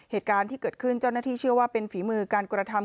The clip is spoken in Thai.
เหตุการณ์ที่เกิดขึ้นเจ้าหน้าที่เชื่อว่าเป็นฝีมือการกระทำ